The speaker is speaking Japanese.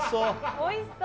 おいしそう。